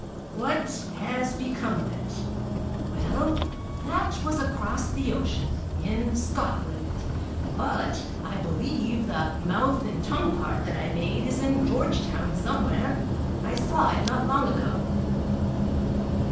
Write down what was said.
What has become of It? Well, that was across the ocean, in Scotland, but I believe the mouth and tongue part that I made is in Georgetown somewhere; I saw it not long ago.